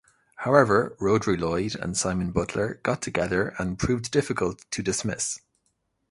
However, Rhodri Lloyd and Simon Butler got together and proved difficult to dismiss.